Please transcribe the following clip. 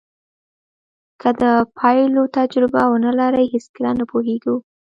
که د بایللو تجربه ونلرئ هېڅکله نه پوهېږو.